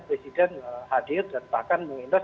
presiden hadir dan bahkan mengindos